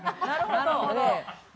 なるほど。